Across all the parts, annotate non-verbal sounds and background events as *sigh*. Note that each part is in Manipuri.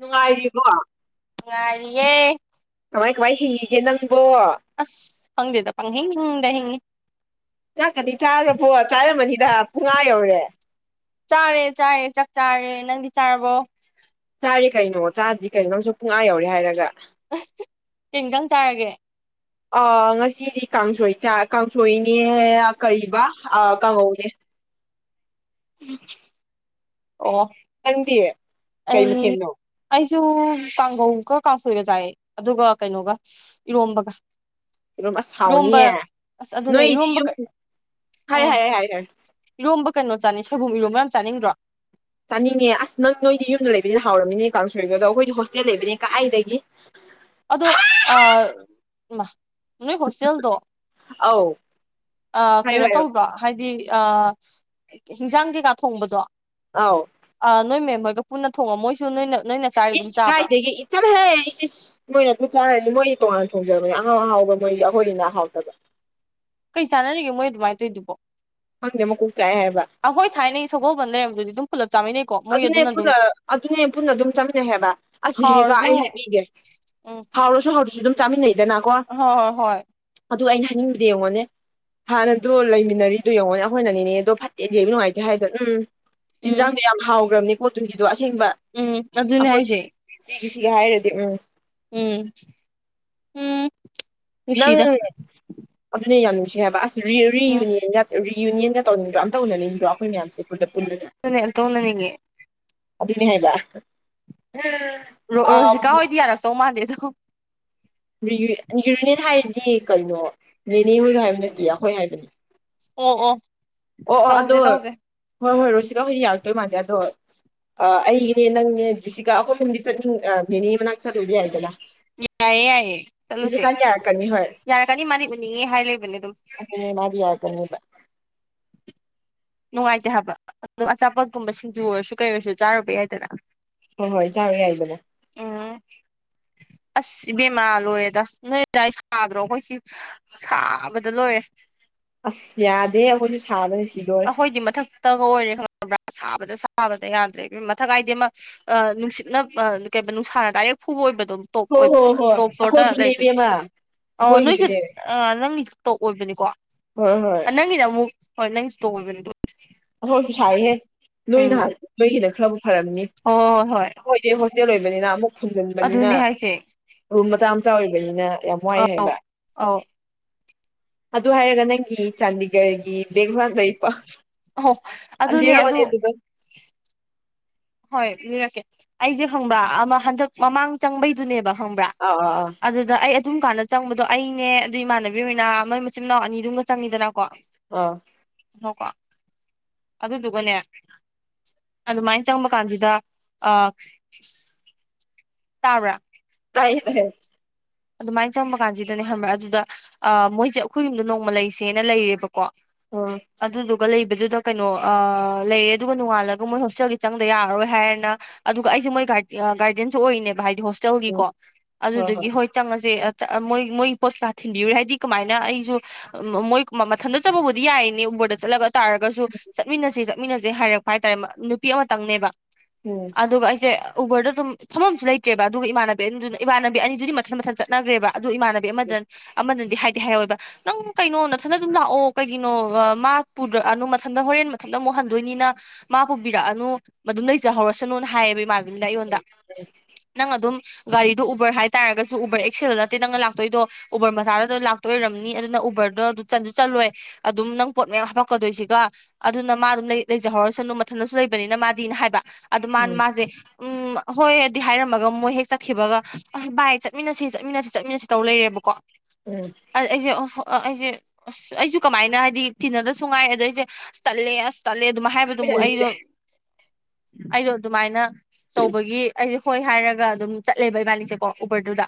ꯅꯨꯡꯉꯥꯏꯔꯤꯕꯣ ꯅꯨꯡꯉꯥꯏꯔꯤꯌꯦ ꯀꯃꯥꯏ ꯀꯃꯥꯏ ꯍꯤꯡꯉꯤꯒꯦ ꯅꯪꯕꯣ ꯑꯁ ꯈꯥꯪꯗꯦꯗ ꯄꯪꯍꯤꯡꯗ ꯍꯤꯡꯉꯤ ꯆꯥꯛꯀꯗꯤ ꯆꯥꯔꯕꯣ ꯆꯥꯔꯝꯃꯅꯤꯗ ꯄꯨꯡ ꯑꯥ ꯌꯧꯔꯦ ꯆꯥꯔꯦ ꯆꯥꯔꯦ ꯆꯥꯛ ꯆꯥꯔꯦ ꯅꯪꯗꯤ ꯆꯥꯔꯕꯣ ꯆꯥꯔꯦ ꯀꯩꯅꯣ ꯆꯥꯗ꯭ꯔꯤ ꯀꯩꯅꯣ ꯅꯪꯁꯨ ꯄꯨꯡ ꯑꯥ ꯌꯧꯔꯦ ꯍꯥꯏꯔꯒ *unintelligible* ꯀꯩꯟꯖꯥꯥꯡ ꯆꯥꯔꯒꯦ ꯑꯥ ꯉꯁꯤꯗꯤ ꯀꯥꯡꯁꯣꯏ ꯆꯥꯏ ꯀꯥꯡꯁꯣꯏꯅꯦ ꯀꯔꯤꯕ ꯑ ꯀꯥꯡꯉꯧꯅꯦ *unintelligible* ꯑꯣ ꯅꯪꯗꯤ ꯀꯩ ꯑꯩ ꯃꯊꯦꯜꯅꯣ ꯑꯩꯁꯨ ꯀꯥꯡꯉꯧꯒ ꯀꯥꯡꯁꯣꯏꯒ ꯆꯥꯏ ꯑꯗꯨꯒ ꯀꯩꯅꯣꯒ ꯏꯔꯣꯝꯕꯒ ꯑꯗꯨꯨꯝ ꯑꯁ ꯏꯔꯣꯝꯕ ꯍꯥꯎꯅꯤꯌꯦ ꯑꯁ ꯑꯗꯨꯅꯦ ꯅꯣꯏꯗꯤ ꯏꯔꯣꯝꯕ ꯌꯨꯝ ꯍꯥꯏ ꯎꯝ ꯍꯥꯏ ꯍꯥꯏ ꯍꯥꯏ ꯏꯔꯣꯝꯕ ꯀꯩꯅꯣ ꯆꯥꯅꯤꯡ ꯁꯣꯏꯕꯨꯝ ꯏꯔꯣꯝꯕ ꯌꯥꯝ ꯆꯥꯅꯤꯡꯗ꯭ꯔꯣ ꯆꯥꯅꯤꯡꯉꯦ ꯑꯁ ꯅꯪ ꯅꯣꯏꯗꯤ ꯌꯨꯝꯗ ꯂꯩꯕꯅꯤ ꯍꯥꯎꯔꯝꯃꯤꯅꯦ ꯀꯥꯡꯁꯣꯏꯗ ꯑꯗꯣ ꯑꯩꯈꯣꯏꯗꯤ ꯍꯣꯁꯇꯦꯜ ꯂꯩꯕꯅꯤꯅ ꯀꯥꯏꯗꯒꯤ ꯑꯗꯣ ꯑ ꯏꯃꯥ ꯅꯣꯏ ꯍꯣꯁꯇꯦꯜꯗꯣ ꯑꯧ ꯑꯥꯥ ꯍꯥꯏꯌꯣ ꯀꯩꯅꯣ ꯍꯥꯏꯌꯣ ꯇꯧꯗ꯭ꯔꯣ ꯍꯥꯏꯗꯤ ꯑ ꯀꯩ ꯀꯩ ꯍꯤꯟꯖꯥꯡ ꯀꯩꯀꯥ ꯊꯣꯡꯕꯗꯣ ꯑꯥꯎ ꯑ ꯅꯣꯏ ꯃꯦꯝ ꯍꯣꯏꯒ ꯄꯨꯟꯅ ꯊꯣꯡꯉꯣ ꯃꯣꯏꯁꯨ ꯅꯣꯏꯅ ꯅꯣꯏꯅ ꯆꯥꯔꯤ ꯑꯗꯨꯝ ꯏꯁ ꯆꯥꯕ꯭ꯔꯥ ꯀꯥꯏꯗꯒꯤ ꯆꯠꯂꯣꯍꯦ ꯏꯁ ꯏꯁ ꯃꯣꯏꯅ ꯑꯗꯨ ꯆꯥꯔꯅꯤ ꯃꯣꯏꯗꯤ ꯇꯣꯉꯥꯟꯅ ꯊꯣꯡꯖꯕꯅꯦ ꯑꯍꯥꯎ ꯑꯍꯥꯎꯕ ꯃꯣꯏꯗꯤ ꯑꯩꯈꯣꯏꯒꯤꯅ ꯍꯥꯎꯇꯕ ꯀꯩ ꯆꯥꯟꯅꯔꯤꯒꯦ ꯃꯣꯏ ꯑꯗꯨꯃꯥꯏꯅ ꯇꯧꯏꯗꯨꯕꯣ ꯈꯪꯗꯦ ꯃꯀꯣꯛ ꯆꯥꯛꯑꯦ ꯍꯥꯏꯕ ꯑꯩꯈꯣꯏ ꯊꯥꯏꯅꯩ ꯁꯒꯣꯜꯕꯟ ꯂꯩꯔꯝꯕꯗꯨꯗꯤ ꯑꯗꯨꯝ ꯄꯨꯂꯞ ꯆꯥꯃꯤꯟꯅꯩ ꯑꯗꯨꯅꯦ ꯄꯨꯟꯅ ꯑꯗꯨꯅꯦ ꯄꯨꯟꯅ ꯑꯗꯨꯝ ꯆꯠꯃꯤꯟꯅꯩꯑꯕ ꯑꯁꯅ ꯍꯦꯒ ꯍꯥꯎꯔꯁꯨ ꯑꯩ ꯍꯥꯏꯕꯤꯒꯦ ꯎꯝ ꯍꯥꯎꯔꯁꯨ ꯍꯥꯎꯇꯔꯁꯨ ꯑꯗꯨꯝ ꯆꯥꯃꯤꯟꯅꯩꯗꯅꯀꯣ ꯍꯣꯏ ꯍꯣꯏ ꯍꯣꯏ ꯑꯗꯨ ꯑꯩꯅ ꯍꯥꯏꯅꯤꯡꯕꯗꯤ ꯌꯦꯡꯉꯣꯅꯦ ꯍꯥꯟꯅꯗꯣ ꯂꯩꯃꯤꯟꯅꯔꯤꯗꯨ ꯌꯦꯡꯉꯣꯅꯦ ꯑꯩꯈꯣꯏꯅꯅꯤꯅꯦ ꯑꯗꯣ ꯐꯠꯇꯦꯗꯤ ꯅꯨꯡꯉꯥꯏꯇꯦ ꯍꯥꯏꯗꯣ ꯎꯝ ꯎꯝ ꯏꯟꯖꯥꯡꯗꯣ ꯌꯥꯝ ꯍꯥꯎꯒ꯭ꯔꯝꯅꯤ ꯄꯣꯠꯇꯨꯒꯤꯗꯣ ꯑꯁꯦꯡꯕ ꯎꯝ ꯑꯗꯨꯅꯦ ꯑꯩꯈꯣꯏ ꯍꯥꯏꯁꯦ ꯁꯤ ꯁꯤꯒꯤ ꯁꯤꯒ ꯍꯥꯏꯔꯗꯤ ꯎꯝ ꯎꯝ ꯎꯝ ꯅꯪ ꯅꯨꯡꯁꯤꯗ ꯑꯗꯨꯅꯦ ꯌꯥꯝ ꯅꯨꯡꯁꯤ ꯍꯥꯏꯕ ꯑꯁ ꯔꯤ ꯎꯝ ꯔꯤꯌꯨꯅꯤꯌꯟꯒ ꯔꯤꯌꯨꯅꯤꯌꯟꯒ ꯇꯧꯅꯤꯡꯗ꯭ꯔꯣ ꯇ ꯎꯅꯤꯡꯗ꯭ꯔꯣ ꯑꯩꯈꯣꯏ ꯃꯌꯥꯝꯁꯦ ꯄꯨꯜꯂꯞ ꯄꯨꯜꯂꯒ ꯑꯗꯨꯅꯦ ꯑꯝꯇ ꯎꯅꯅꯤꯡꯉꯦ ꯑꯗꯨꯅꯦ ꯍꯥꯏꯕ ꯑꯥ ꯔꯣꯔꯣꯖꯤꯀꯥ ꯍꯣꯏꯗꯤ ꯌꯥꯔꯛꯇꯧ ꯃꯥꯟꯗꯦ ꯑꯗꯣ ꯔꯤꯌꯨ ꯌꯨꯔꯤꯅꯤꯑꯦꯜ ꯍꯥꯏꯗꯤ ꯀꯩꯅꯣ ꯔꯦꯅꯦꯍꯣꯏꯒ ꯍꯥꯏꯕ ꯅꯠꯇꯦ ꯑꯩꯈꯣꯏ ꯍꯥꯏꯕꯅꯤ ꯑꯣ ꯑꯣ ꯑꯣ ꯑꯣ ꯑꯗꯣ ꯇꯧꯁꯦ ꯇꯧꯁꯦ ꯍꯣꯏ ꯍꯣꯏ ꯔꯣꯁꯤꯀꯥ ꯍ‌ꯣꯏ ꯌꯥꯔꯛꯇꯣꯏ ꯃꯥꯟꯗ‌ꯦ ꯑꯗꯣ ꯑ ꯑꯩꯅꯦ ꯅꯪꯅꯦ ꯖ‌ꯦꯁꯤꯀꯥ ꯑꯈ‌ꯣꯏ ꯑꯍꯨꯝꯗꯤ ꯆꯠꯅꯤꯡ ꯅꯦꯅꯦ ꯃꯅꯥꯛ ꯆꯠꯂꯨꯕ ꯌꯥꯏꯗꯅ ꯌꯥꯏꯌꯦ ꯌꯥꯏꯌꯦ ꯆꯠꯂꯨꯁꯦ ꯖꯤꯁꯤꯀꯥꯗꯤ ꯌꯥꯔꯛꯀꯅꯤ ꯍꯣꯏ ꯌꯥꯔꯛꯀꯅꯤ ꯃꯥꯗꯤ ꯎꯅꯤꯡꯉꯦ ꯍꯥꯏ ꯂꯩꯕꯅꯦ ꯑꯗꯨꯝ ꯅꯦ ꯃꯥꯗꯤ ꯌꯥꯔꯛꯀꯅꯤꯕ ꯅꯨꯡꯉꯥꯏꯇꯦ ꯍꯥꯏꯕ ꯑꯗꯨꯝ ꯑꯆꯥꯄꯣꯠꯀꯨꯝꯕ ꯁꯤꯡꯖꯨ ꯑꯣꯏꯔꯁꯨ ꯀꯩ ꯑꯣꯏꯔꯁꯨ ꯆꯥꯔꯨꯕ ꯌꯥꯏꯗꯅ ꯍꯣꯏ ꯍꯣꯏ ꯆꯥꯔꯨ ꯌꯥꯏꯗꯅ ꯎꯝ ꯑꯁ ꯏꯕꯦꯃꯥ ꯂꯣꯏꯔꯦꯗ ꯅꯣꯏ ꯑꯗꯥꯏ ꯁꯥꯗ꯭ꯔꯣ ꯑꯩꯈꯣꯏ ꯁꯤ ꯁꯥꯕꯗ ꯂꯣꯏꯔꯦ ꯑꯁ ꯌꯥꯗꯦ ꯑꯩꯈꯣꯏꯁꯨ ꯁꯥꯕꯅ ꯁꯤꯗꯣꯏ ꯑꯩꯈꯣꯏꯗꯤ ꯃꯊꯛꯇꯒ ꯑꯣꯏꯔꯦ ꯈꯪꯉꯕ꯭ꯔꯥ ꯁꯥꯕꯗ ꯁꯥꯕꯗ ꯌꯥꯗ꯭ꯔꯦ ꯏꯕꯦꯝ ꯃꯊꯛ ꯍꯥꯏꯗꯤ ꯑꯃ ꯑ ꯅꯨꯡꯁꯤꯠꯅ ꯑ ꯀꯩꯕ ꯅꯨꯡꯁꯥꯅ ꯗꯥꯏꯔꯦꯛ ꯐꯨꯕ ꯑꯣꯏꯕꯗꯣ ꯇꯣꯞ ꯍꯣꯏ ꯑꯣꯏ ꯍꯣꯏ ꯍꯣꯏ ꯇꯣꯞ ꯐ꯭ꯂꯣꯔꯗ ꯑꯩꯈꯣꯏꯁꯨꯅꯦ ꯂꯩꯕꯒꯦ ꯏꯕꯦꯝꯃ ꯑ ꯅꯣꯏꯁꯦ ꯑꯩꯈꯣꯏꯒꯤꯁꯨꯅꯦ ꯑ ꯅꯪꯒꯤꯁꯨ ꯇꯣꯛ ꯑꯣꯏꯕꯅꯤꯀꯣ ꯍꯣꯏ ꯍꯣꯏ ꯑꯅꯪꯒꯤꯅꯃꯨꯛ ꯍꯣꯏ ꯅꯪꯒꯤꯁꯨ ꯇꯣꯛ ꯑꯣꯏꯕꯅꯤꯗꯣ ꯑꯩꯈꯣꯏꯁꯨ ꯁꯥꯏꯍꯦ ꯅꯣꯏ ꯅꯍ ꯅꯣꯏꯒꯤꯅ ꯈꯔꯕꯨ ꯐꯔꯝꯅꯤ ꯍꯣꯏ ꯍꯣꯏ ꯍꯣꯏ ꯍꯣꯏꯗꯤ ꯍꯣꯁꯇꯦꯜ ꯑꯣꯏꯕꯅꯤꯅ ꯑꯃꯨꯛ ꯐꯨꯝꯖꯤꯟꯕꯅꯤꯅ ꯑꯗꯨꯅꯦ ꯍꯥꯏꯁꯦ ꯔꯨꯝ ꯃꯆꯥ ꯃꯆꯥ ꯑꯣꯏꯕꯅꯤꯅ ꯌꯥꯝ ꯋꯥꯏ ꯑꯧ ꯍꯥꯏꯕ ꯑꯧ ꯑꯗꯨ ꯍꯥꯏꯔꯒ ꯅꯪꯒꯤ ꯆꯥꯟꯗꯤꯒꯔꯒꯤ ꯕꯦꯒ ꯍꯨꯔꯥꯟꯕꯩ ꯄ *unintelligible* *unintelligible* ꯑꯗꯨ *inaudible* ꯍꯣꯏ ꯂꯤꯔꯛꯀꯦ ꯑꯩꯖ‌ꯦ ꯈꯪꯕ꯭ꯔꯥ ꯑꯃ ꯍꯟꯗꯛ ꯃꯃꯥꯡ ꯆꯪꯕꯩꯗꯨꯅꯦꯕ ꯈꯪꯕ꯭ꯔꯥ ꯑꯧ ꯑ ꯑ ꯑꯗ ꯑꯩ ꯑꯗꯨꯝ ꯀꯥꯟꯗ ꯆꯪꯕꯗꯣ ꯑꯩꯅꯦ ꯑꯗꯨ ꯏꯃꯥꯟꯅꯕꯤ ꯃ‌ꯣꯔꯤꯅ ꯃꯣꯏ ꯃꯆꯤꯟ ꯃꯅꯥꯎ ꯑꯅꯤꯗꯨꯝꯒ ꯆꯪꯉꯤꯗꯅꯀꯣ ꯑ ꯉꯈ‌ꯣꯀꯣ ꯑꯗꯨꯗꯨꯒꯅꯦ ꯑꯗꯨꯃꯥꯏꯅ ꯆꯪꯕꯀꯥꯟꯁꯤꯗ ꯑꯥ ꯇꯥꯕ꯭ꯔꯥ ꯇꯥꯏꯌ‌ꯦ ꯇꯥꯏ ꯑꯗꯨꯃꯥꯏꯅ ꯆꯪꯕ ꯀꯥꯟꯁꯤꯗꯅꯦ ꯈꯪꯕ꯭ꯔꯥ ꯑꯗꯨꯗ ꯑ ꯃꯣꯏꯁꯦ ꯑꯩꯈꯣꯏ ꯌꯨꯝꯗ ꯅꯣꯡꯃ ꯂꯩꯁꯦꯅ ꯂꯩꯔꯦꯕꯀꯣ ꯑꯣ ꯑꯗꯨꯗꯨꯒ ꯂꯩꯕꯗꯨꯗ ꯀꯩꯅꯣ ꯑ ꯂꯩꯌꯦ ꯑꯗꯨꯒ ꯅꯣꯡꯉꯥꯜꯂꯒ ꯃꯣꯏ ꯍꯣꯁꯇꯦꯜꯒꯤ ꯆꯪꯗ ꯌꯥꯔꯔꯣꯏ ꯍꯥꯏꯔ‌ꯦꯅ ꯑꯗꯨꯒ ꯑꯩꯁꯦ ꯃꯣꯏ ꯒꯥꯔ ꯒꯥꯔꯗꯤꯟꯁꯨ ꯑꯣꯏꯔꯤꯅꯦꯕ ꯍꯥꯏꯗꯤ ꯎꯝ ꯍꯣꯁꯇꯦꯜꯒꯤꯀꯣ ꯑꯗꯨꯗꯨꯒꯤ ꯍꯣꯏ ꯆꯪꯉꯁꯦ ꯃꯣꯏ ꯃꯣꯏ ꯄꯣꯠ ꯀꯥ ꯊꯤꯟꯕꯤꯔꯨꯔꯦ ꯍꯥꯏꯗꯤ ꯀꯃꯥꯏꯅ ꯑꯩꯁꯨ ꯃꯣꯏ ꯃꯊꯟꯇ ꯆꯠꯄꯕꯨꯗꯤ ꯌꯥꯏꯅꯦ ꯎꯕꯔꯗ ꯆꯠꯂꯒ ꯑꯗꯨ ꯇꯥꯔꯒꯁꯨ ꯆꯠꯃꯤꯟꯅꯁ‌ꯦ ꯆꯠꯃꯤꯟꯅꯁꯦ ꯍꯥꯏꯔꯛꯄ ꯍꯥꯏꯇꯥꯔꯦ ꯅꯨꯄꯤ ꯑꯃꯇꯪꯅꯦꯕ ꯎꯝ ꯑꯗꯨꯒ ꯑꯩꯁꯦ ꯎꯕꯔꯗꯗꯨꯝ ꯐꯝꯕꯝꯁꯨ ꯂꯩꯇ꯭ꯔꯦꯕ ꯑꯗꯨꯒ ꯏꯃꯥꯟꯅꯕꯤ ꯑꯅꯤꯗꯨ ꯏꯃꯥꯟꯅꯕꯤ ꯑꯅꯤꯗꯨꯗꯤ ꯃꯊꯟ ꯃꯊꯟ ꯆꯠꯅꯈ꯭ꯔꯦꯕ ꯑꯗꯨ ꯏꯃꯥꯟꯅꯕꯤ ꯑꯃꯗ ꯑꯃꯅꯗꯤ ꯍꯥꯏꯗꯤ ꯍꯥꯏꯍꯧꯋꯦꯕ ꯅꯪ ꯀꯩꯅꯣ ꯅꯊꯟꯗ ꯑꯗꯨꯝ ꯂꯥꯛꯑꯣ ꯀꯩꯒꯤꯅꯣ ꯃꯥꯅꯨ ꯃꯊꯟꯗ ꯍꯣꯔꯦꯟ ꯃꯊꯟꯇ ꯑꯃꯨꯛ ꯍꯟꯗꯣꯏꯅꯤꯅ ꯃꯥ ꯄꯨꯕꯤꯔꯛꯑꯅꯨ ꯃꯗꯨꯝ ꯂꯩꯖꯍꯧꯔꯁꯅꯨꯅ ꯍꯥꯏꯌꯦꯕ ꯏꯃꯥꯟꯕꯤꯗꯨꯅ ꯑꯩꯉꯣꯟꯗ ꯅꯪ ꯑꯗꯨꯝ ꯒꯥꯔꯤꯗꯣ ꯎꯕꯔ ꯍꯥꯏꯇꯥꯔꯒ ꯁꯨ ꯎꯕꯔ ꯑꯦꯛꯁꯦꯜꯗ ꯅꯠꯇꯦ ꯅꯪꯅ ꯂꯥꯛꯇꯣꯏꯗ‌ꯣ ꯎꯕꯔ ꯃꯆꯥꯗ ꯑꯗꯨꯝ ꯂꯥꯛꯇꯣꯏ ꯑꯣꯏꯔꯝꯅꯤ ꯑꯗꯨꯅ ꯎꯕꯔꯗꯣ ꯑꯗꯨ ꯆꯟꯁꯨ ꯆꯟꯂꯣꯏ ꯑꯗꯨꯝ ꯅꯪ ꯄꯣꯠ ꯃꯌꯥꯝ ꯍꯥꯄꯛꯀꯗꯣꯏꯁꯤꯒ ꯑꯗꯨꯅ ꯃꯥ ꯑꯗꯨꯝ ꯂꯩꯖꯍꯧꯔꯁꯅꯨ ꯃꯊꯟꯗꯁꯨ ꯂꯩꯕꯅꯤꯅ ꯃꯥꯗꯤꯅ ꯍꯥꯏꯕ ꯑꯗꯨ ꯃꯥꯅ ꯎꯝ ꯃꯥꯁꯦ ꯎꯝ ꯍꯣꯏꯗꯤ ꯍꯥꯏꯔꯝꯃꯒ ꯃꯣꯏ ꯍꯦꯛ ꯆꯠꯈꯤꯕꯒ ꯑꯁ ꯕꯥꯏ ꯆꯠ ꯃꯤꯟꯅꯁꯤ ꯆꯠꯃꯤꯟꯅꯁꯤ ꯆꯠꯃꯤꯟꯅꯁꯤ ꯇꯧ ꯂꯩꯔꯦꯕꯀꯣ ꯎꯝ ꯑꯥ ꯑꯩꯖ‌ꯦ ꯑꯥ ꯑꯩꯖ‌ꯦ ꯑꯁ ꯑꯩꯖꯨ ꯀꯃꯥꯏꯅ ꯍꯥꯏꯗꯤ ꯇꯤꯟꯅꯗꯁꯨꯨ ꯉꯥꯏ ꯑꯗ ꯑꯩꯁꯦ ꯇꯜꯂꯦ ꯑꯁ ꯇꯜꯂꯦ ꯗꯨꯝ ꯍꯥꯏꯕꯗꯨꯃꯨꯛ ꯇꯥꯃꯤꯟꯅꯅꯤꯡꯗꯦ ꯑꯩꯗꯣ ꯑꯩꯗꯣ ꯑꯗꯨꯃꯥꯏꯅ ꯇꯧꯕꯒꯤ ꯑꯩꯗꯣ ꯍꯣꯏ ꯍꯥꯏꯔꯒ ꯑꯗꯨꯝ ꯆꯠꯂꯦꯕ ꯏꯕꯥꯅꯤꯁꯦꯀꯣ ꯎꯕꯔꯗꯨꯗ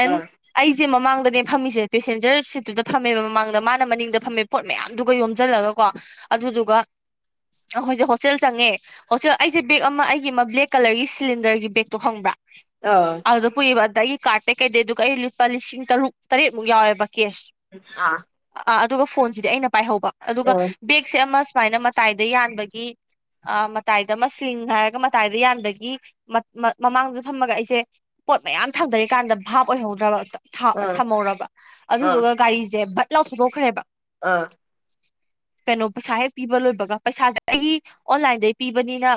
ꯑꯦꯟ ꯑꯥ ꯑꯩꯁꯦ ꯃꯃꯥꯡꯗꯅꯦ ꯐꯝꯃꯤꯁꯦ ꯄꯦꯁꯦꯟꯖꯔ ꯁꯤꯠꯇꯨꯗ ꯐꯝꯃꯦꯕ ꯃꯃꯥꯡꯗ ꯃꯥꯅ ꯃꯅꯤꯡꯗ ꯐꯝꯃꯦ ꯄꯣꯠ ꯃꯌꯥꯝꯗꯨꯒ ꯌꯣꯝꯁꯤꯜꯂꯒꯀꯣ ꯑꯗꯨꯗꯨꯒ ꯑꯩꯈꯣꯏꯁꯦ ꯍꯣꯁꯇꯦꯜ ꯆꯪꯉꯦ *unintelligible* ꯑꯩꯁꯦ ꯕꯦꯒ ꯑꯃ ꯑꯩꯒꯤ ꯑꯃ ꯕ꯭ꯂꯦꯛ ꯀꯂꯔꯒꯤ ꯁꯤꯂꯤꯟꯗꯔꯒꯤ ꯕꯦꯒꯛꯇꯣ ꯈꯪꯕ꯭ꯔꯥ ꯑ ꯑꯗꯨ ꯄꯨꯏꯕ ꯑꯗꯏꯒꯤ ꯀꯥꯔꯗꯠꯇꯩ ꯀꯩꯗꯩ ꯑꯗꯨꯒ ꯑꯩ ꯂꯨꯄꯥ ꯂꯤꯁꯤꯡ ꯇꯔꯨꯛ ꯇꯔꯦꯠꯃꯨꯛ ꯌꯥꯎꯋꯦꯕ ꯀꯦꯁ ꯑꯥ ꯑꯥ ꯑꯗꯨꯒ ꯐꯣꯟꯁꯤꯗꯤ ꯑꯩꯅ ꯄꯥꯏꯍꯧꯕ ꯑꯗꯨꯒ ꯑꯥ ꯕꯦꯛꯁꯦ ꯑꯃ ꯁꯨꯃꯥꯏꯅ ꯃꯇꯥꯏꯗ ꯌꯥꯟꯕꯒꯤ ꯑ ꯃꯇꯥꯏꯗ ꯑꯃ ꯁꯤꯡ ꯍꯥꯏꯔꯒ ꯃꯇꯥꯏꯗ ꯌꯥꯟꯕꯒꯤ ꯃꯃꯥꯡꯁꯨ ꯐꯝꯃꯒ ꯑꯩꯁꯦ ꯄꯣꯠ ꯃꯌꯥꯝ ꯊꯥꯡꯗꯔꯤꯀꯥꯟꯗ ꯚꯥꯞ ꯑꯣꯏꯍꯧꯗ꯭ꯔꯕ ꯊꯥ ꯑꯥ ꯊꯝꯍꯧꯔꯕ ꯑꯥ ꯑꯗꯨꯗꯨꯒ ꯒꯥꯔꯤꯁꯦ ꯚꯠ ꯂꯥꯎ ꯊꯧꯗꯣꯛꯈ꯭ꯔꯦꯕ ꯑꯥ ꯀꯩꯅꯣ ꯄꯩꯁꯥ ꯍꯦꯛ ꯄꯤꯕ ꯂꯣꯏꯕꯒ ꯄꯩꯁꯥꯁꯦ ꯑꯩ ꯑꯣꯟꯂꯥꯏꯟꯗꯩ ꯄꯤꯕꯅꯤꯅ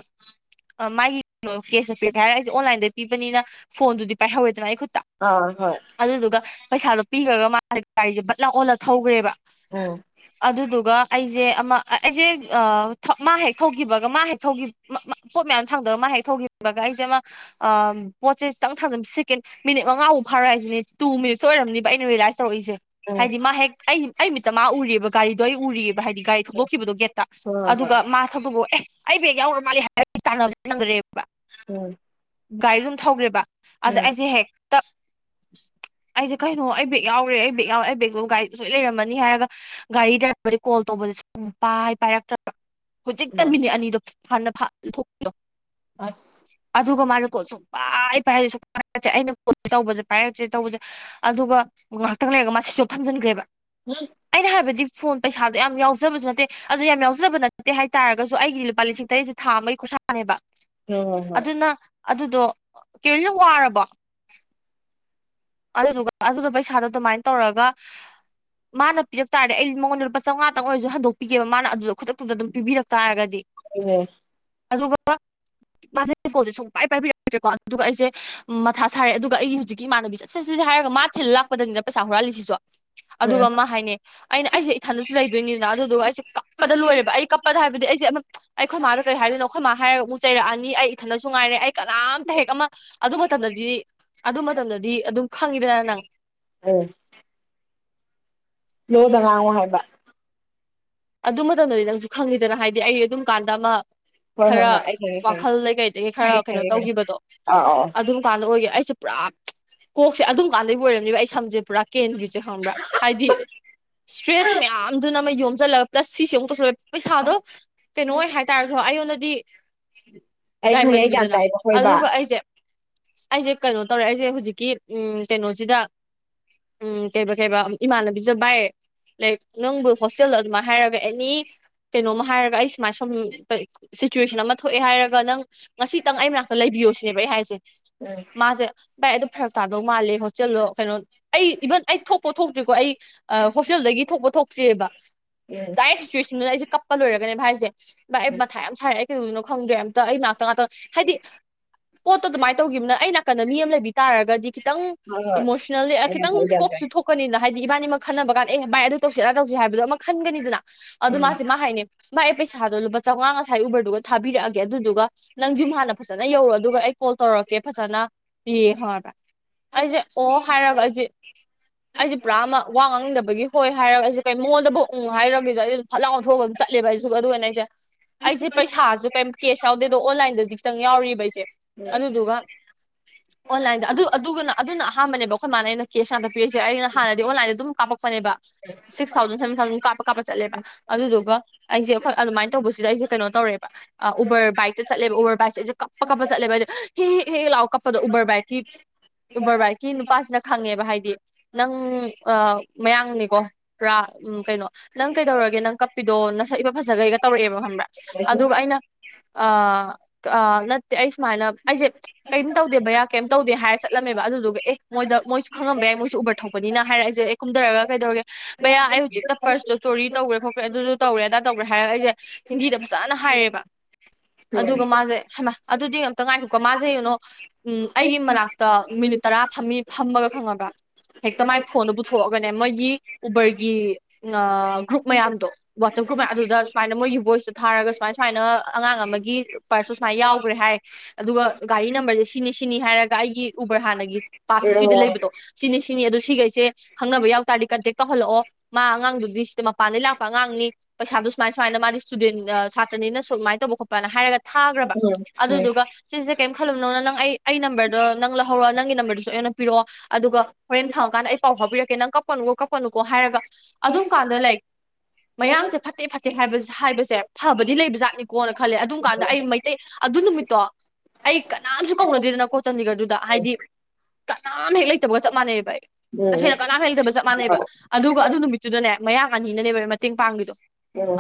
ꯃꯥꯒꯤ ꯀꯩꯅꯣ ꯀꯦꯁꯇ ꯄꯤꯔꯛꯀ‌ꯦ ꯍꯥꯏꯔ ꯑꯩꯁꯦ ꯑꯣꯟꯂꯥꯏꯟꯗ ꯄꯤꯕꯅꯤꯅ ꯐꯣꯟꯗꯨꯗꯤ ꯄꯥꯏꯍꯧꯔꯦꯗꯅ ꯑꯩ ꯈꯨꯠ ꯑꯥ ꯍꯣꯏ ꯑꯗꯨꯗꯨꯒ ꯄꯩꯁꯥꯗꯣ ꯄꯤꯈ꯭ꯔꯒ ꯃꯥ ꯒꯥꯔꯤꯁꯦ ꯕꯠ ꯂꯥꯎ ꯑꯣꯜꯂ ꯊꯧꯈ꯭ꯔꯦꯕ ꯎꯝ ꯑꯗꯨꯗꯨꯒ ꯑꯩꯖ‌ꯦ ꯑꯃ ꯑꯩꯖ‌ꯦ ꯊ ꯃꯥ ꯍꯦꯛ ꯊ‌ꯣꯛꯈꯤꯕꯒ ꯃꯥ ꯍꯦꯛ ꯊ‌ꯣꯛꯈꯤ *unintelligible* ꯄꯣꯠ ꯃꯌꯥꯝ ꯊꯥꯡꯗꯕ ꯃꯥ ꯍꯦꯛ ꯊꯧꯈꯤꯕꯒ ꯑꯩꯁꯦ ꯑꯃ ꯑ ꯄꯣꯠꯁꯦ ꯈꯤꯇꯪ ꯊꯥꯡꯖ ꯁꯤꯀꯦꯟ ꯃꯤꯅꯤꯠ ꯃꯉꯥꯐꯥꯎ ꯐꯥꯔꯣꯏ ꯍꯥꯏꯁꯤꯅꯦ ꯇꯨ ꯃꯤꯅꯤꯠꯁ ꯑꯣꯏꯔꯝꯅꯤꯕ ꯑꯩꯅ ꯔꯤꯌꯦꯂꯥꯏꯁ ꯇꯧꯔꯛꯏꯁꯦ ꯍꯣꯏ ꯍꯥꯏꯗꯤ ꯃꯥ ꯍꯦꯛ ꯑꯩ ꯑꯩ ꯃꯤꯠꯇ ꯃꯥ ꯎꯔꯤꯑꯕ ꯒꯥꯔꯤꯗꯣ ꯑꯩ ꯎꯔꯤꯑꯕ ꯍꯥꯏꯗꯤ ꯒꯥꯔꯤ ꯊꯣꯡꯗꯣꯛꯈꯤꯕꯗꯣ ꯒꯦꯠꯇ ꯍꯣꯏ ꯑꯗꯨꯒ ꯃꯥ *unintelligible* ꯑꯦ ꯑꯩ ꯕꯦꯛ ꯌꯥꯎꯔ ꯃꯥꯜꯂꯦ ꯍꯥꯏꯔꯒ ꯇꯥꯟꯅꯕ ꯅꯪꯗ꯭ꯔꯦꯕ ꯎꯝ ꯒꯥꯔꯤꯗꯨ ꯑꯗꯨꯝ ꯊꯧꯈ꯭ꯔꯦꯕ ꯑꯗ ꯎꯝ ꯑꯩꯁꯦ ꯍꯦꯛ ꯇꯞ ꯑꯩꯁꯦ ꯀꯩꯅꯣ ꯑꯩ ꯕꯦꯛ ꯌꯥꯎꯒ꯭ꯔꯦ ꯑꯩ ꯕꯦꯒ ꯌꯥꯎꯒ꯭ꯔꯦ ꯑꯩ ꯕꯦꯒꯇꯨ ꯒꯥꯔꯤꯗ ꯁꯣꯏ ꯂꯩꯔꯝꯃꯅꯤ ꯍꯥꯏꯔꯒ ꯒꯥꯔꯤ ꯗ꯭ꯔꯥꯏꯕꯔꯗꯤ ꯀꯣꯜ ꯇꯧꯕꯁꯦ ꯁꯨꯡ ꯄꯥꯏ ꯄꯥꯏꯔꯛꯇ꯭ꯔꯕ ꯏꯃꯥ ꯍꯧꯖꯤꯛꯇ ꯃꯤꯅꯤꯠ ꯑꯅꯤꯗꯣ ꯍꯥꯟꯅ ꯐꯠ ꯏꯟꯊꯣꯛꯄꯤꯗꯣ ꯑꯁ ꯑꯗꯨꯒ ꯃꯥꯅ ꯀꯣꯜ ꯁꯨꯡ ꯄꯥꯏ ꯄꯥꯏꯗꯦ ꯁꯨꯡ ꯄꯥꯏ ꯄꯥꯏꯗꯦ ꯑꯩꯅ ꯐꯣꯟꯁꯦ ꯇꯧꯕꯁꯦ ꯄꯥꯏꯔꯛꯇ꯭ꯔꯦ ꯇꯧꯕꯁꯦ ꯑꯗꯨꯒ ꯉꯥꯏꯍꯥꯛꯇꯪ ꯂꯩꯔꯒ ꯃꯥ ꯁꯨꯏꯁ ꯑꯣꯐ ꯝꯖꯤꯟꯈ꯭ꯔꯦꯕ *unintelligible* ꯑꯩꯅ ꯍꯥꯏꯕꯗꯤ ꯐꯣꯟ ꯄꯩꯁꯥꯗꯣ ꯌꯥꯝ ꯌꯥꯎꯖꯕꯁꯨ ꯅꯠꯇꯦ ꯑꯗꯨꯗꯣ ꯌꯥꯝ ꯌꯥꯎꯖꯕ ꯅꯠꯇꯦ ꯍꯥꯏ ꯇꯥꯔꯒꯁꯨ ꯑꯩꯒꯤꯗꯤ ꯂꯨꯄꯥ ꯂꯤꯁꯤꯡ ꯇꯔꯦꯠ ꯊꯥ ꯑꯃꯒꯤ ꯈꯨꯔꯁꯥꯅꯦꯕ ꯍꯣꯏ ꯍꯣꯏ ꯍꯣꯏ ꯑꯗꯨꯅ ꯑꯗꯨꯗꯣ ꯀꯦꯔꯣ ꯅꯪ ꯋꯥꯔꯕꯣ ꯑꯗꯨꯗꯨꯒ ꯑꯗꯨꯒ ꯄꯩꯁꯥꯗꯣ ꯑꯗꯨꯃꯥꯏꯅ ꯇꯧꯔꯒ *inaudible* ꯃꯥꯅ ꯄꯤꯔꯛ ꯇꯥꯔꯗꯤ ꯑꯩ ꯃꯉꯣꯟꯗ ꯂꯨꯄꯥ ꯆꯧꯉꯥꯇꯪ ꯑꯣꯏꯖꯨ ꯍꯟꯗꯣꯛꯄꯤꯒꯦꯕ ꯃꯥꯅ ꯑꯗꯨꯗ ꯈꯨꯗꯛꯇꯨꯗ ꯗꯨꯝ ꯄꯤꯕꯤꯔꯛ ꯇꯥꯔꯒꯗꯤ ꯎꯝ ꯑꯗꯨꯒ ꯃꯥꯁꯦ ꯀꯣꯜꯁꯦ ꯁꯨꯡꯄꯥꯏ ꯄꯥꯏꯕꯤꯔꯛꯇ꯭ꯔꯦꯀꯣ ꯑꯗꯨꯒ ꯑꯩꯖꯦ ꯃꯊꯥ ꯁꯥꯔꯦ ꯑꯗꯨꯒ ꯑꯩ ꯍꯧꯖꯤꯛꯀꯤ ꯏꯃꯅꯕꯤꯁꯦ ꯁꯤ ꯁꯤꯁꯦ ꯍꯥꯏꯔꯒ ꯃꯥ ꯊꯤꯜ ꯂꯥꯛꯄꯗꯅꯤꯅ ꯄꯩꯁꯥ ꯍꯨꯔꯥꯜꯂꯤꯁꯤꯁꯨ ꯑꯗꯨꯒ ꯎꯝ ꯃꯥ ꯍꯥꯏꯅꯦ ꯑꯩꯅ ꯑꯩꯁꯦ ꯏꯊꯟꯗꯁꯨ ꯂꯩꯗꯣꯏꯅꯤꯅ ꯑꯗꯨꯗꯨꯒ ꯑꯩꯁꯦ ꯀꯞꯄꯗ ꯂꯣꯏꯔꯦꯕ ꯑꯩ ꯀꯞꯄꯗ ꯍꯥꯏꯕꯗꯤ ꯑꯩꯁꯦ ꯑꯃ ꯑꯩꯈꯣꯏ ꯃꯥꯥꯗ ꯀꯩ ꯍꯥꯏꯗꯣꯏꯅꯣ ꯑꯩꯈꯣꯏ ꯃꯥ ꯍꯥꯏꯔꯒ ꯑꯃꯨꯛ ꯆꯩꯔꯛꯑꯅꯤ ꯑꯩ ꯏꯊꯟꯅꯁꯨ ꯉꯥꯏꯔꯦ ꯑꯩ ꯀꯅꯥꯝꯇ ꯍꯦꯛ ꯑꯃ ꯑꯗꯨ ꯃꯇꯝꯗꯗꯤ ꯑꯗꯨ ꯃꯇꯝꯗꯗꯤ ꯑꯗꯨꯝ ꯈꯪꯉꯤꯗꯅ ꯅꯪ ꯎꯝ ꯂꯣꯗ ꯉꯥꯡꯉꯣ ꯍꯥꯏꯕ ꯑꯗꯨ ꯃꯇꯝꯗꯗꯤ ꯅꯪꯁꯨ ꯈꯪꯉꯤꯗꯅ ꯍꯥꯏꯗꯤ ꯑꯩ ꯑꯗꯨꯝ ꯀꯥꯟꯗ ꯑꯃ ꯍꯣꯏ ꯍꯣꯏ ꯈꯔ ꯍꯣꯏ ꯑꯩ ꯈꯪꯉꯦ ꯋꯥꯈꯜ ꯈꯪꯉꯦ ꯂꯩ ꯀꯩꯗꯒꯤ ꯈꯔ ꯈꯪꯉꯦ ꯀꯩꯅꯣ ꯈꯪꯉꯦ ꯈꯪꯉꯦ ꯇꯧꯈꯤꯕꯗꯣ ꯑꯥ ꯑꯥ ꯑꯥ ꯑꯗꯨꯝꯀꯥꯟꯗ ꯑꯣꯏꯒꯦ ꯑꯩꯁꯨ ꯄꯨꯔꯥ ꯀꯣꯛꯁꯦ ꯑꯗꯨꯝ ꯀꯥꯟꯗꯒꯤ ꯑꯣꯏꯔꯝꯅꯦꯕ ꯑꯩ ꯁꯝꯁꯦ ꯄꯨꯔꯥ ꯀꯦꯟꯔꯤꯁꯦ ꯈꯪꯕ꯭ꯔꯥ ꯍꯥꯏꯗꯤ ꯏꯁꯇ꯭ꯔꯦꯁ ꯃꯌꯥꯝꯗꯨꯅ ꯑꯃ ꯌꯣꯝꯁꯤꯜꯂꯒ ꯄ꯭ꯂꯁ ꯁꯤꯁꯦ ꯑꯃꯨꯛ ꯇꯧꯁꯤꯜꯂꯦ ꯄꯩꯁꯥꯗꯣ ꯀꯩꯅꯣ ꯑꯣꯏ ꯍꯥꯏꯇꯥꯔꯁꯨ ꯑꯩꯉꯣꯟꯗꯗꯤ ꯑꯩ ꯈꯪꯉꯦ ꯑꯩ ꯒ꯭ꯌꯥꯟ ꯗꯥꯏꯃꯟꯅꯤꯗꯅ ꯇꯥꯏꯕ ꯍꯣꯏ ꯕꯥ ꯑꯗꯨꯒ ꯑꯩꯁꯦ ꯑꯩꯁꯦ ꯀꯩꯅꯣ ꯇꯧꯔꯦ ꯑꯩꯁꯦ ꯍꯧꯖꯤꯛꯀꯤ ꯎꯝ ꯀꯩꯅꯣꯁꯤꯗ ꯎꯝ ꯀꯩꯕꯥ ꯀꯩꯕꯥ ꯑꯝ ꯏꯃꯥꯟꯕꯤꯖꯕꯥꯏ ꯂꯥꯏ ꯅꯪꯕꯨ ꯍꯣꯁꯇꯦꯜꯗ ꯑꯗꯨꯃꯥꯏ ꯍꯥꯏꯔꯒ ꯑꯦꯅꯤ ꯀꯩꯅꯣꯝꯃ ꯍꯥꯏꯔꯒ ꯑꯩ ꯁꯨꯃꯥꯏꯟ ꯁꯨ ꯁꯝ ꯁꯤꯆꯨꯋꯦꯁꯟ ꯑꯃ ꯊꯣꯛꯑꯦ ꯍꯥꯏꯔꯒ ꯅꯪ ꯉꯁꯤꯇꯪ ꯑꯩ ꯃꯅꯥꯛꯇ ꯂꯩꯕꯤꯌꯣ ꯁꯤꯅꯦꯕ ꯑꯩ ꯍꯥꯏꯁꯦ ꯎꯝ ꯃꯥꯖꯦ ꯚꯥꯏ ꯑꯗꯨ ꯐꯔꯛ ꯇꯥꯗꯧ ꯃꯥꯜꯂꯦ ꯈꯣꯠꯆꯤꯜꯂꯣ ꯀꯩꯅꯣ ꯑꯩ ꯏꯚꯟ ꯑꯩ ꯊꯣꯛꯄꯧ ꯊꯣꯛꯇ꯭ꯔꯤꯀꯣ ꯑꯩ ꯑ ꯍꯣꯁꯇꯦꯜꯗꯒꯤ ꯊꯣꯛꯄꯧ ꯊꯣꯛꯇ꯭ꯔꯤꯌꯦꯕ ꯎꯝ ꯗꯥꯑꯦꯛ ꯁꯤꯆꯨꯋꯦꯁꯟꯗꯨ ꯑꯩꯁꯦ ꯀꯞꯄ ꯂꯣꯏꯔꯒꯅꯦ ꯚꯥꯏꯁꯦ ꯚꯥꯏ ꯑꯩ ꯃꯊꯥ ꯌꯥꯝ ꯁꯥꯏ ꯑꯩ ꯀꯩꯗꯧꯗꯣꯢꯅꯣ ꯈꯪꯗ꯭ꯔꯦ ꯑꯝꯇ ꯑꯩ ꯇꯣꯉꯥꯟ ꯇꯣꯡ ꯍꯥꯏꯗꯤ ꯄꯣꯠꯇꯣ ꯗꯨꯃꯥꯏ ꯇꯧꯒꯤꯝꯅꯤꯅ ꯑꯩ ꯅꯥꯀꯟꯗ ꯃꯤ ꯑꯃ ꯂꯩꯕꯤ ꯇꯥꯔꯒꯗꯤ ꯈꯤꯇꯪ ꯏꯃꯣꯁꯟꯅꯦꯜꯂꯤ ꯑ ꯈꯤꯇꯪ ꯀꯣꯛꯁꯨ ꯊꯣꯛ ꯀꯅꯤꯅ ꯍꯥꯏꯗꯤ ꯏꯕꯥꯅꯤꯃꯛ ꯈꯟꯅꯕ ꯀꯥꯟ ꯑꯦ ꯚꯥꯏ ꯑꯗꯨ ꯇꯧꯁꯤ ꯑꯗꯥ ꯇꯧꯁꯤ ꯍꯥꯏꯕꯗꯣ ꯑꯃ ꯈꯟꯒꯅꯤꯗꯅ ꯑꯗꯨ ꯃꯥꯁꯦ ꯃꯥ ꯍꯥꯏꯅꯤ ꯚꯥꯢ ꯑꯩ ꯄꯩꯁꯥꯗꯣ ꯂꯨꯄꯥ ꯆꯧꯉꯥ ꯉꯁꯥꯏ ꯎꯕꯔꯗꯨꯒ ꯊꯥꯕꯤꯔꯛꯑꯒꯦ ꯑꯗꯨꯗꯨꯒ ꯅꯪ ꯌꯨꯝ ꯍꯥꯟꯅ ꯐꯖꯅ ꯌꯧꯔꯣ ꯑꯗꯨꯒ ꯑꯩ ꯀꯣꯜ ꯇꯧꯔꯛꯀꯦ ꯐꯖꯅ ꯌꯦ ꯈꯪꯉꯥꯕ ꯑꯩꯁꯦ ꯑꯣ ꯍꯥꯏꯔꯒ ꯑꯩꯁꯦ ꯑꯩꯁꯦ ꯄꯨꯔꯥ ꯑꯃ ꯋꯥ ꯉꯥꯡꯅꯤꯡꯗꯕꯒꯤ ꯍꯣꯏ ꯍꯥꯏꯔꯒ ꯑꯩꯁꯦ ꯀꯩ ꯃꯉꯣꯟꯗꯕꯨ ꯑꯣꯡ ꯍꯥꯏꯔꯒꯗ ꯑꯩ ꯐꯠꯂꯥꯎꯑꯣꯟꯊꯣꯛꯑꯒ ꯆꯠꯂꯦꯕ ꯑꯩꯁꯨ ꯑꯗꯨꯒꯅꯦ ꯑꯩꯁꯦ ꯑꯩꯁꯦ ꯄꯩꯁꯥꯁꯨ ꯀꯩꯝ ꯀꯦꯁ ꯌꯥꯎꯗꯦꯗꯣ ꯑꯣꯟꯂꯥꯏꯟꯗꯗꯤ ꯈꯤꯇꯪ ꯌꯥꯎꯔꯤꯕ ꯑꯩꯁꯦ ꯑꯗꯨꯗꯨꯒ *inaudible* ꯑꯣꯟꯂꯥꯏꯟꯗ ꯑꯗꯨ ꯑꯗꯨꯒꯅ ꯑꯗꯨꯅ ꯑꯍꯥꯟꯕꯅꯦꯕ ꯑꯈꯣꯏ ꯃꯥꯅ ꯑꯩꯅ ꯀꯦꯁ ꯉꯥꯛꯇꯥ ꯄꯤꯔꯤꯁꯦ ꯑꯩꯅ ꯍꯥꯟꯅꯗꯤ ꯑꯣꯟꯂꯥꯏꯟꯗ ꯑꯗꯨꯝ ꯀꯥꯞꯄꯛꯄꯅꯦꯕ ꯁꯤꯛꯁ ꯊꯥꯎꯖꯟ ꯁꯥꯕꯦꯟ ꯊꯥꯎꯖꯦꯟ ꯀꯥꯞꯄ ꯀꯥꯞꯄ ꯆꯠꯂꯦꯕ ꯑꯗꯨꯗꯨꯒ ꯑꯩꯁꯦ ꯑꯩꯈꯣꯏ ꯑꯗꯨꯃꯥꯏꯅ ꯇꯧꯕꯁꯤꯗ ꯑꯩꯁꯦ ꯀꯩꯅꯣ ꯇꯧꯔꯦꯕ ꯑ ꯎꯕꯔ ꯕꯥꯏꯛꯇ ꯆꯠꯂꯦꯕ ꯎꯕꯔ ꯕꯥꯏꯛꯁ ꯑꯩꯁꯦ ꯀꯞꯄ ꯀꯞꯄ ꯆꯠꯂꯦꯕ ꯑꯩꯖꯦ ꯍꯤꯛ ꯍꯦꯛ ꯂꯥꯎ ꯀꯞꯄꯗꯣ ꯎꯕꯔ ꯕꯥꯏꯛꯀꯤ ꯎꯕꯔꯕꯥꯏꯀꯤ ꯅꯨꯄꯥꯁꯤꯅ ꯈꯪꯉꯦꯕ ꯍꯥꯏꯗꯤ ꯅꯪ ꯑ ꯃꯌꯥꯡꯅꯤꯀꯣ ꯄꯨꯔꯥ ꯀꯩꯅꯣ ꯅꯪ ꯀꯩꯗꯧꯔꯒꯦ ꯅꯪ ꯀꯞꯄꯤꯗꯣ ꯅꯁꯛ ꯏꯐꯥ ꯐꯖꯍꯩꯒ ꯇꯧꯔꯛꯑꯦꯕ ꯈꯪꯕ꯭ꯔꯥ ꯑꯗꯨꯒ ꯑꯩꯅ ꯑ ꯑ ꯅꯠꯇꯦ ꯑꯩ ꯁꯨꯃꯥꯏꯅ ꯑꯩꯁꯦ ꯀꯩꯝ ꯇꯧꯗꯦ ꯕꯌꯥ ꯀꯩꯝ ꯇꯧꯗꯦ ꯍꯥꯏꯔ ꯆꯠꯂꯝꯃꯦꯕ ꯑꯗꯨꯗꯨꯒ ꯑꯦ ꯃꯣꯏꯗ ꯃꯣꯏꯁꯨ ꯈꯪꯉꯝꯕ ꯌꯥꯏ ꯃꯣꯏꯁꯨ ꯎꯕꯔ ꯊꯧꯕꯅꯤꯅ ꯍꯥꯏꯔ ꯑꯩꯖꯦ ꯑꯦ ꯀꯨꯝꯗꯔꯒ ꯀꯩꯗꯧꯔꯒꯦ ꯕꯌꯥ ꯑꯩ ꯍꯧꯖꯤꯛꯇ ꯁꯣꯔꯤ ꯇꯧꯒ꯭ꯔꯦ ꯈꯣꯠꯈ꯭ꯔꯦ ꯑꯗꯨꯁꯨ ꯇꯧꯔꯦ ꯑꯗꯥ ꯇꯧꯒ꯭ꯔꯦ ꯍꯥꯏꯔꯒ ꯑꯩꯖꯦ ꯍꯤꯟꯗꯤꯗ ꯐꯖꯅ ꯍꯥꯏꯔꯦꯕ ꯑꯗꯨꯒ ꯃꯥꯖꯦ ꯍꯥꯏꯃꯥ ꯑꯗꯨꯗꯤ ꯑꯝꯇ ꯉꯥꯏꯈꯣꯀꯣ ꯃꯥꯁꯦ ꯌꯣꯅꯣ ꯎꯝ ꯑꯩꯒꯤ ꯃꯅꯥꯛꯇ ꯃꯤꯅꯤꯠ ꯇꯔꯥ ꯐꯝꯃꯤ ꯐꯝꯃꯒ ꯈꯪꯉꯕ꯭ꯔꯥ ꯍꯦꯛꯇ ꯃꯥꯏ ꯐꯣꯟꯗꯣ ꯄꯨꯊꯣꯛꯑꯒꯅꯦ ꯃꯣꯏꯒꯤ ꯎꯕꯔꯒꯤ ꯑ ꯒ꯭ꯔꯨꯞ ꯃꯌꯥꯝꯗꯣ ꯋꯥꯆꯞ ꯒ꯭ꯔꯨꯞ ꯑꯗꯨꯗ ꯁꯨꯃꯥꯏꯅ ꯃꯣꯏꯒꯤ ꯚꯣꯏꯁꯇ ꯊꯥꯔꯒ ꯁꯨꯃꯥꯏ ꯁꯨꯃꯥꯏꯅ ꯑꯉꯥꯡ ꯑꯃꯒꯤ ꯄ꯭ꯔꯁꯁꯨ ꯁꯨꯃꯥꯏ ꯌꯥꯎꯒ꯭ꯔꯦ ꯍꯥꯏ ꯑꯗꯨꯒ ꯒꯥꯔꯤ ꯅꯝꯕꯔꯁꯦ ꯁꯤꯅꯤ ꯁꯤꯅꯤ ꯍꯥꯏꯔꯒ ꯑꯩꯒꯤ ꯎꯕꯔ ꯍꯥꯟꯅꯒꯤ ꯄꯥꯠꯁꯤꯁꯇ꯭ꯔꯤꯗ ꯂꯩꯕꯗꯣ ꯁꯤꯅꯤ ꯁꯤꯅꯤ ꯑꯗꯣ ꯁꯤꯒꯩꯁꯦ ꯈꯪꯅꯕ ꯌꯥꯎ ꯇꯥꯔꯗꯤ ꯀꯟꯇꯦꯛ ꯇꯧꯍꯜꯂꯛꯑꯣ ꯃꯥ ꯑꯉꯥꯡꯗꯨꯗꯤ ꯁꯤꯗ ꯃꯄꯥꯟꯗꯒꯤꯩ ꯂꯥꯛꯄ ꯑꯉꯥꯡꯅꯤ ꯄꯩꯁꯥꯗꯨ ꯁꯨꯃꯥꯏ ꯁꯨꯃꯥꯏꯅ ꯃꯥꯗꯤ ꯏꯁꯇꯨꯗꯦꯟ ꯁꯥꯇ꯭ꯔꯅꯤꯅ ꯁꯨꯃꯥꯏꯅ ꯇꯧꯕ ꯈꯣꯠꯄꯅ ꯍꯥꯏꯔꯒ ꯊꯥꯒ꯭ꯔ *unintelligible* ꯁꯤꯁꯦ ꯀꯩꯝ ꯈꯜꯂꯨꯅꯣꯅ ꯅꯪ ꯑꯩ ꯅꯝꯕꯔꯗꯣ ꯅꯪ ꯂꯧꯍꯔꯣ ꯅꯪꯒꯤ ꯅꯝꯕꯔꯗꯨꯁꯨ ꯑꯩꯅ ꯄꯤꯔꯛꯑꯣ ꯑꯗꯨꯒ ꯍꯣꯔꯦꯟ ꯐꯪꯉꯀꯥꯟꯗ ꯑꯩ ꯄꯥꯎ ꯐꯥꯎꯕꯤꯔꯛꯀꯦ ꯅꯪ ꯀꯛꯄꯨꯀꯣ ꯀꯛꯄꯅꯨꯀꯣ ꯍꯥꯏꯔꯒ ꯑꯗꯨꯝ ꯀꯥꯟꯗ ꯂꯥꯏꯛ ꯃꯌꯥꯡꯁꯦ ꯐꯠꯇꯦ ꯐꯠꯇꯦ ꯍꯥꯏꯕ ꯍꯥꯏꯕꯁꯦ ꯐꯕꯗꯤ ꯂꯩꯕ ꯖꯥꯠꯅꯤꯀꯣꯅ ꯈꯜꯂꯦ ꯑꯗꯨꯝ ꯀꯥꯟꯗ ꯑꯩ ꯃꯩꯇꯩ ꯑꯗꯨ ꯅꯨꯃꯤꯠꯇꯣ ꯑꯩ ꯀꯅꯥꯝꯁꯨ ꯀꯧꯅꯗꯦꯗꯅꯀꯣ ꯆꯥꯟꯗꯤꯒꯔꯗꯨꯗ ꯍꯥꯏꯗꯤ ꯀꯅꯥꯝ ꯍꯦꯛ ꯂꯩꯇꯕꯒ ꯆꯞ ꯃꯥꯟꯅꯩꯑꯕ ꯑꯩ ꯇꯁꯦꯡꯅ ꯀꯅꯥꯝ ꯍꯦꯛ ꯂꯩꯇꯕ ꯆꯞ ꯃꯥꯟꯅꯩꯕ ꯑꯗꯨꯒ ꯑꯗꯨ ꯅꯨꯃꯤꯠꯇꯨꯗꯅꯦ ꯃꯌꯥꯡ ꯑꯥꯅꯤꯅꯅꯦꯕ ꯃꯇꯦꯡ ꯄꯥꯡꯉꯤꯗꯣ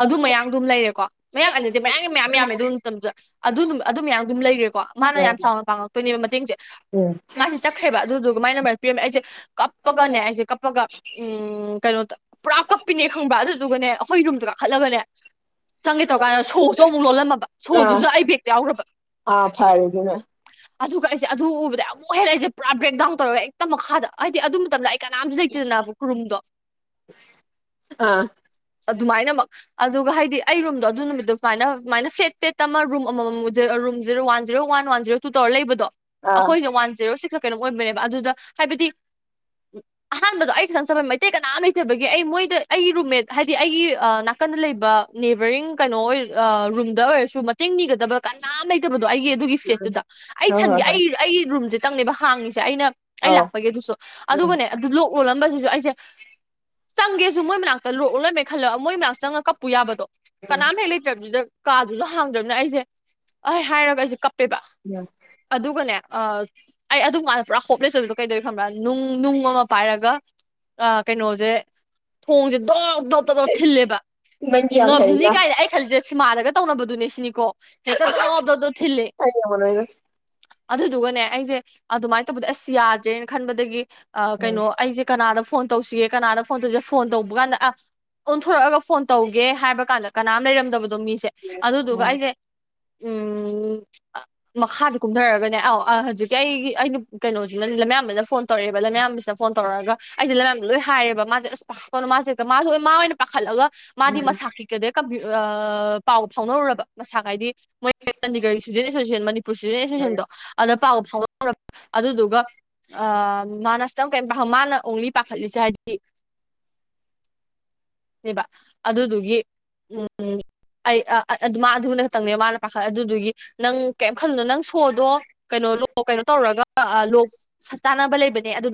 ꯑꯗꯨ ꯃꯌꯥꯡꯗꯨꯝ ꯂꯩꯔꯦꯀꯣ ꯃꯌꯥꯡ ꯑꯅꯤꯁꯦ ꯃꯌꯥꯡꯒꯤ ꯃꯌꯥꯝ ꯌꯥꯝꯃꯦ ꯑꯗꯨ ꯃꯇꯝꯗꯨꯗ ꯑꯗꯨꯗꯨꯝ ꯑꯗꯨ ꯃꯌꯥꯝ ꯑꯗꯨꯝ ꯂꯩꯔꯦꯀꯣ ꯃꯥꯅ ꯌꯥꯝ ꯆꯥꯎꯅ ꯄꯥꯡꯉꯛꯇꯣꯏꯅꯦꯕ ꯃꯇꯦꯡꯁꯦ ꯃꯥꯁꯤ ꯆꯠꯈ꯭ꯔꯦꯕ ꯑꯗꯨꯗꯨꯒ ꯃꯥꯏ ꯅꯝꯕꯔ ꯄꯤꯔꯝꯃꯦ ꯑꯩꯁꯦ ꯀꯥꯞꯄꯒꯅꯦ ꯑꯩꯁꯦ ꯀꯞꯄꯒ ꯎꯝ ꯀꯩꯅꯣꯇ ꯄꯨꯔꯥ ꯀꯞꯄꯤꯅꯦ ꯈꯪꯕ꯭ꯔꯥ ꯑꯗꯨꯗꯨꯒꯅꯦ ꯑꯩꯈꯣꯏ ꯔꯨꯝꯗ ꯀꯥꯈꯠꯂꯒꯅꯦ ꯆꯪꯒꯦ ꯇꯧꯀꯥꯟꯗ ꯁꯣꯛꯁꯨ ꯑꯃꯨꯛ ꯂꯣꯜꯂꯝꯃꯕ ꯑꯥ ꯁꯣꯗꯨꯁꯨ ꯑꯩ ꯕꯦꯛꯇ ꯌꯥꯎꯒ꯭ꯔꯕ ꯑꯥ ꯐꯔꯦ ꯑꯗꯨꯅ ꯑꯗꯨꯒ ꯑꯩꯁꯦ ꯑꯗꯨ ꯎꯕꯗ ꯑꯝ ꯑꯃꯨꯛ ꯍꯦꯜ ꯑꯩꯁꯦ ꯄꯨꯔꯥ ꯕꯦꯛꯗꯥꯎꯟ ꯇꯧꯔꯒ ꯍꯦꯛꯇ ꯃꯈꯥꯗ ꯑꯩꯗꯤ ꯑꯗꯨ ꯃꯇꯝꯗ ꯑꯩ ꯀꯅꯥꯝꯁꯨ ꯂꯩꯇꯦꯗꯅꯕꯨ ꯈꯨꯔꯨꯝꯗꯣ ꯑꯥ ꯑꯗꯨꯃꯥꯏꯅꯃꯛ ꯑꯗꯨꯒ ꯍꯥꯏꯗꯤ ꯑꯩ ꯔꯨꯝꯗꯣ ꯑꯗꯨ ꯅꯨꯃꯤꯠꯇꯣ ꯁꯨꯃꯥꯏꯅ ꯁꯨꯃꯥꯏꯅ ꯐꯦꯠ ꯐꯦꯠ ꯑꯃ ꯔꯨꯝ ꯑꯃꯃꯝ room zero one zero one one zero two ꯇꯧꯔ ꯂꯩꯕꯗꯣ ꯑꯥ ꯑꯩꯈꯣꯏꯁꯦ ꯋꯥ ꯖꯤꯔꯣ ꯁꯤꯛꯁ ꯀꯩꯅꯣ ꯑꯣꯏꯕꯅꯦꯕ ꯑꯗꯨꯗ ꯍꯥꯏꯕꯗꯤ ꯑꯍꯥꯟꯕꯗꯣ ꯑꯩ ꯈꯇꯥ ꯆꯪꯕ ꯃꯩꯇꯩ ꯀꯅꯥꯃ ꯂꯩ ꯅꯠꯇꯕꯒꯤ ꯑꯩ ꯃꯣꯏꯗ ꯑꯩꯒꯤ ꯔꯨꯝꯃꯦꯠ ꯍꯥꯏꯗꯤ ꯑꯩꯒꯤ ꯅꯥꯀꯟꯗ ꯂꯩꯕ ꯅꯦꯕꯔꯤꯡ ꯀꯩꯅꯣ ꯑꯣꯏ ꯔꯨꯝꯗ ꯑꯣꯏꯔꯁꯨ ꯃꯇꯦꯡ ꯅꯤꯒꯗꯕ ꯀꯅꯥꯝ ꯂꯩꯇꯕꯗꯣ ꯑꯩꯒꯤ ꯑꯗꯨꯒꯤ ꯐ꯭ꯂꯦꯠꯇꯨꯗ ꯑꯩ ꯍꯣꯏ ꯊꯟꯒꯦ ꯍꯣꯏ ꯍꯣꯏ ꯑꯩ ꯑꯩ ꯔꯨꯝꯁꯦ ꯇꯪꯅꯦꯕ ꯍꯥꯡꯉꯤꯁꯦ ꯑꯩꯅ ꯑꯩ ꯑꯧ ꯂꯥꯛꯄꯒꯤ ꯑꯗꯨꯁꯨ ꯎꯝ ꯑꯗꯨꯒꯅꯦ ꯑꯗꯨ ꯂꯣꯛ ꯂꯣꯜꯂꯝꯕꯁꯤꯁꯨ ꯑꯩꯁꯦ ꯆꯪꯒꯦꯁꯨ ꯃꯣꯏ ꯃꯅꯥꯛꯇ ꯂꯣꯛ ꯂꯣꯏ ꯃꯦ ꯈꯜꯂꯒ ꯃꯣꯏ ꯃꯅꯥꯛ ꯆꯪꯉꯒ ꯀꯞꯄꯨ ꯌꯥꯕꯗꯣ ꯀꯅꯥꯝ ꯍꯦꯛ ꯂꯩ *unintelligible* ꯗ ꯀꯥꯗꯨꯗ ꯍꯥꯡꯗ꯭ꯔꯕꯅ ꯑꯩꯁꯦ ꯑꯩ ꯍꯥꯏꯔꯒ ꯑꯩꯁꯦ ꯀꯞꯄꯦꯕ ꯎꯝ ꯑꯗꯨꯒꯅꯦ ꯑ ꯑꯩ ꯑꯗꯨꯝꯀꯥꯟꯗ ꯄꯨꯔꯥ ꯍꯣꯞꯂꯦꯆ ꯑꯣꯏꯕꯗꯣ ꯀꯩꯗꯧꯋꯤ ꯈꯪꯕ꯭ꯔꯥ ꯅꯨꯡ ꯅꯨꯡ ꯑꯃ ꯄꯥꯏꯔꯒ ꯑ ꯀꯩꯅꯣꯁꯦ ꯊꯣꯡꯁꯦ ꯗꯣꯛ ꯗꯣꯛ ꯗꯣꯕ ꯗꯣꯕ ꯊꯤꯟꯂꯦꯕ ꯅꯪꯗꯤ ꯌꯥꯝ ꯉꯝꯅꯤ ꯍꯩꯗ ꯀꯥꯏ ꯈꯜꯂꯤꯁꯦꯠ ꯁꯤꯃꯥꯟꯗꯒ ꯇꯧꯅꯕꯗꯨꯅꯦ ꯁꯤꯅꯤꯀꯣ ꯍꯦꯛꯇ ꯗꯣꯞ ꯗꯣꯞꯇꯣ ꯊꯤꯜꯂꯦ ꯑꯩ ꯉꯝꯃꯔꯣꯏꯗ ꯎꯝ ꯑꯗꯨꯗꯨꯒꯅꯦ ꯑꯩꯁꯦ ꯑꯗꯨꯃꯥꯏꯅ ꯇꯧꯕꯗꯤ ꯑꯁ ꯌꯥꯗ꯭ꯔꯦꯅ ꯈꯟꯕꯗꯒꯤ ꯑ ꯀꯩꯅꯣ ꯑꯩꯁꯦ ꯀꯅꯥꯗ ꯐꯣꯟ ꯇꯧꯁꯤꯒꯦ ꯀꯅꯥꯗ ꯐꯣꯟ ꯇꯧꯁꯤꯒꯦ ꯐꯣꯟ ꯇꯧꯕ ꯀꯥꯟꯗ ꯑ ꯑꯣꯟꯊꯣꯔꯛꯑꯒ ꯐꯣꯟ ꯇꯧꯒꯦ ꯍꯥꯏꯕ ꯀꯥꯟꯗ ꯀꯅꯥꯝ ꯂꯩꯔꯝꯗꯕꯗꯣ ꯃꯤꯁꯦ ꯑꯗꯨꯗꯨꯒ ꯎꯝ ꯑꯩꯁꯦ ꯎꯝ ꯃꯈꯥꯗ ꯀꯨꯝꯊꯔꯒꯅꯦ ꯑꯧ ꯍꯧꯖꯤꯛ ꯑꯩꯒꯤ ꯑꯩꯅ ꯀꯩꯅꯣꯁꯤꯅ ꯂꯝꯌꯥꯝꯕꯅ ꯐꯣꯟ ꯇꯧꯔꯛꯑꯦꯕ ꯂꯝꯌꯥꯝꯕꯅ ꯐꯣꯟ ꯇꯧꯔꯛꯑꯒ ꯑꯩꯁꯦ ꯂꯝꯌꯥꯝ ꯂꯣꯏ ꯍꯥꯏꯔꯦꯕ ꯃꯥꯁꯦ ꯑꯁ ꯄꯥꯈꯄ ꯃꯥꯁꯦ ꯃꯥꯁꯨ ꯃꯥ ꯑꯣꯏꯅ ꯄꯥꯈꯠꯂꯒ ꯃꯥꯗꯤ ꯃꯁꯥ ꯗ ꯄꯥꯎ ꯐꯥꯎꯅꯔꯨꯔꯕ ꯃꯁꯥꯒꯥꯏꯗꯤ ꯃꯣꯏ ꯆꯥꯟꯗꯤꯒꯔꯤ ꯏꯁꯇꯨꯗꯦꯟ ꯑꯦꯁꯣꯁꯤꯌꯦꯁꯟ ꯄꯨ *unintelligible* ꯎꯝ ꯑꯦꯁꯣꯁꯦꯁꯟꯗꯣ ꯑꯗ ꯄꯥꯎ ꯐꯥꯎ ꯑꯗꯨꯗꯨꯒ ꯃꯥꯅꯁꯇꯪ ꯀꯩ ꯃꯥꯅ ꯑꯣꯡꯂꯤ ꯈꯠꯂꯤꯁꯦ ꯍꯥꯏꯗꯤ ꯑꯦꯕ ꯑꯗꯨꯗꯨꯒꯤ ꯎꯝ ꯎꯝ ꯑꯩ ꯃꯥ ꯑꯗꯨꯕꯨꯅ ꯈꯛꯇꯪꯅꯦꯕ ꯃꯥꯅ ꯄꯥꯈꯠꯂ ꯑꯗꯨꯗꯨꯒꯤ ꯅꯪ ꯀꯩꯝ ꯈꯜꯂꯨꯅꯣ ꯅꯪ ꯁꯣꯗꯣ ꯀꯩꯅꯣ ꯀꯩꯅꯣ ꯇꯧꯔꯒ ꯂꯣꯛ ꯁꯠ ꯆꯥꯅꯕ ꯂꯩꯕꯅꯦ ꯑꯗꯨ